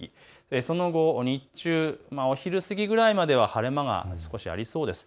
その後、日中、お昼過ぎくらいまでは晴れ間が少しありそうです。